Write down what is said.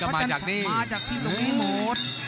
มาจากที่ตรงนี้หมด